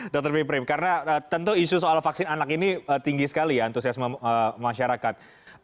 dr fitri karena tentu isu soal vaksin anak ini tinggi sekali ya antusiasme masyarakat